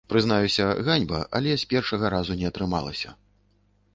Прызнаюся, ганьба, але з першага разу не атрымалася.